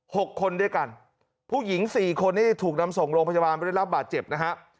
หกคนด้วยกันผู้หญิงสี่คนนี้ถูกนำส่งโรงพยาบาลไม่ได้รับบาดเจ็บนะฮะ